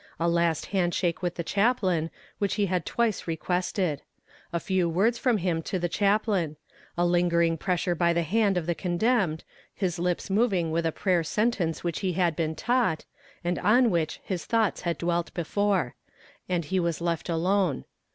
A last hand shake with the chaplain, which he had twice requested; a few words from him to the chaplain; a lingering pressure by the hand of the condemned, his lips moving with a prayer sentence which he had been taught, and on which his thoughts had dwelt before; and he was left alone.